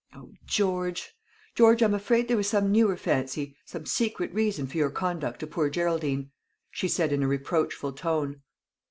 "O, George, George, I'm afraid there was some newer fancy some secret reason for your conduct to poor Geraldine," she said in a reproachful tone.